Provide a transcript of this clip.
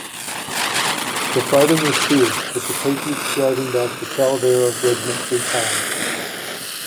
The fighting was fierce, with the patriots driving back the Talavera regiment three times.